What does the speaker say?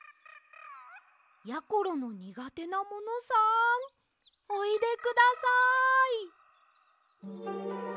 やころのにがてなものさんおいでください。